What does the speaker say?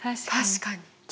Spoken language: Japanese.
確かに。